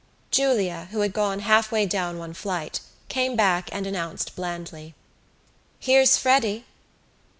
Julia, who had gone half way down one flight, came back and announced blandly: "Here's Freddy."